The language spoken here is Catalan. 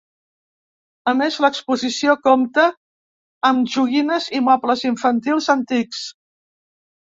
A més, l’exposició compta amb joguines i mobles infantils antics.